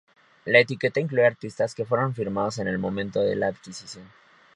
La etiqueta incluye artistas que fueron firmados en el momento de la adquisición.